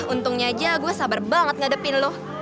untungnya aja gue sabar banget ngadepin lo